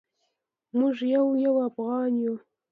موږ یو افغان یو